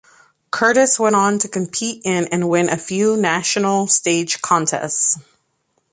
Curtis went on to compete in and win a few national stage contests.